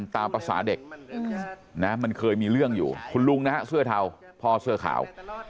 ตามภาษาเด็กนะมันเคยมีเรื่องอยู่คุณลุงนะฮะเสื้อเทาพ่อเสื้อขาว